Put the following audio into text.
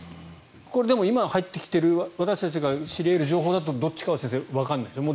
これは、でも今入ってきている私たちが知り得る情報だとどっちかは先生、わからないですよね。